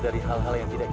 kamu kan harusnya masak